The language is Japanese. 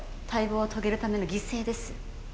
大望を遂げるための犠牲です。